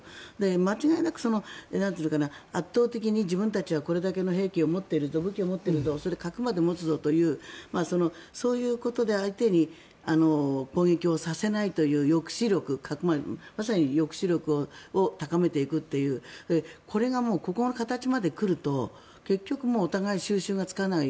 間違いなく、圧倒的に自分たちはこれだけの兵器を持っているぞ武器を持っているぞそれで核まで持つぞというそういうことで相手に攻撃をさせないという抑止力まさに抑止力を高めていくというこれがもうこの形まで来ると結局、お互い収拾がつかない。